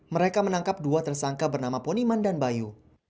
mereka menangkap dua tersangka bernama poniman dan bayu